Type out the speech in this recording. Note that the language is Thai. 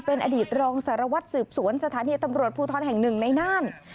เป็นอดีตรองสารวัตรสืบสวนสถานีตำรวจภูทรแห่งหนึ่งในน่าน